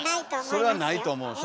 それはないと思う。